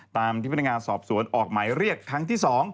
ตามที่พนักงานสอบสวนออกหมายเรียกครั้งที่๒